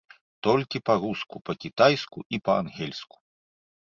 Толькі па-руску, па-кітайску і па-ангельску.